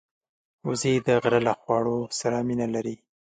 وزې د غره له خواړو سره مینه لري